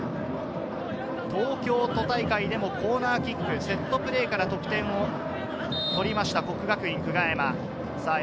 東京都大会でもコーナーキック、セットプレーから得点を取りました、國學院久我山。